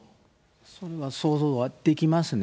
そんな想像はできますね。